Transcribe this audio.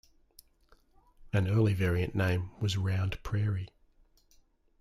An early variant name was Round Prairie.